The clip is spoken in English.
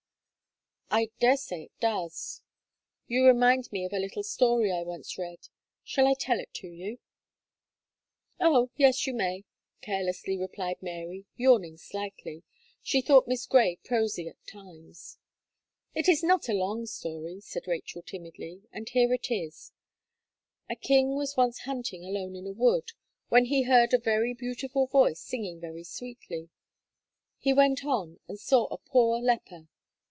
"I dare say it does: you remind me of a little story I once read; shall I tell it to you?" "Oh! yes you may," carelessly replied Mary, yawning slightly; she thought Miss Gray prosy at times. "It is not a long story," said Rachel timidly, "and here it is; a king was once hunting alone in a wood, when he heard a very beautiful voice singing very sweetly; he went on and saw a poor leper."